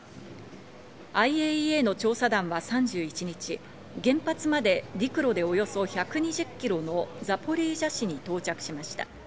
ＩＡＥＡの調査団は３１日、原発まで陸路でおよそ１２０キロのザポリージャ市に到着しました。